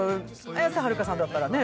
綾瀬はるかさんだったらね？